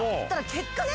結果ね！